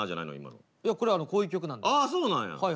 いやこれはこういう曲なんだよ。